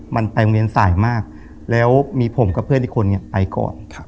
มันไปโรงเรียนสายมากแล้วมีผมกับเพื่อนอีกคนไปก่อน